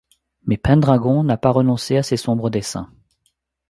Mais Pendragon n'a pas renoncé à ses sombres desseins.